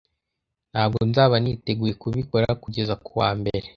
ntabwo nzaba niteguye kubikora kugeza kuwa mbere